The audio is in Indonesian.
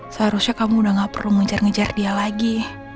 seharusnya kamu udah gak perlu ngejar ngejar dia lagi